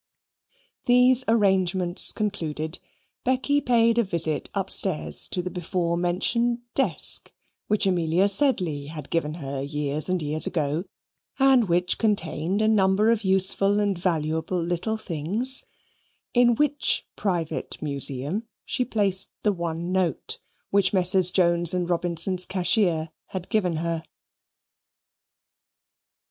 These arrangements concluded, Becky paid a visit upstairs to the before mentioned desk, which Amelia Sedley had given her years and years ago, and which contained a number of useful and valuable little things in which private museum she placed the one note which Messrs. Jones and Robinson's cashier had given her.